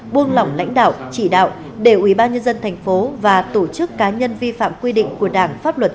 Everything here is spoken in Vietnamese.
buông lỏng lãnh đạo chỉ đạo để ubnd tp và tổ chức cá nhân vi phạm quy định của đảng pháp luật